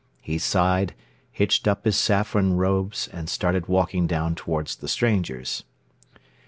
He sighed, hitched up his saffron robes and started walking down toward the strangers.